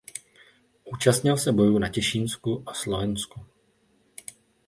Účastnil se bojů na Těšínsku a Slovensku.